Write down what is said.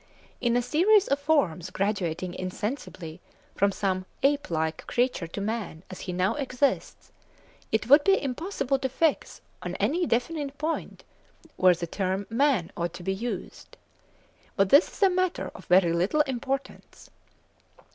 In a series of forms graduating insensibly from some ape like creature to man as he now exists, it would be impossible to fix on any definite point where the term "man" ought to be used. But this is a matter of very little importance.